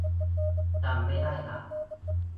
จำไม่ได้ละ